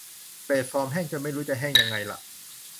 แพลตฟอร์มแห้งจนไม่รู้จะแห้งยังไงละ